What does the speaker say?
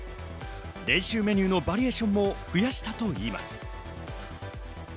練習メニューのバリエーションも増やしたといいます。